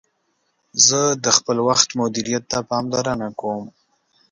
زه د خپل وخت مدیریت ته پاملرنه کوم.